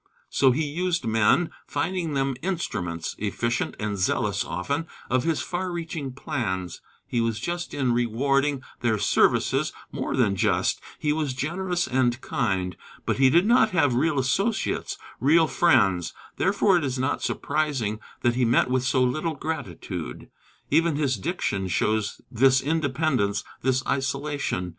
So he used men, finding them instruments efficient and zealous, often of his far reaching plans. He was just in rewarding their services more than just: he was generous and kind. But he did not have real associates, real friends; therefore it is not surprising that he met with so little gratitude. Even his diction shows this independence, this isolation.